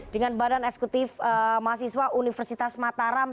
dengan badan eksekutif mahasiswa universitas mataram